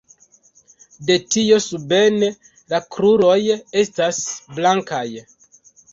De tio suben la kruroj estas blankaj.